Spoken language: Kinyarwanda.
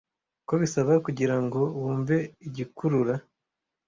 ko bisaba kugirango wumve igikurura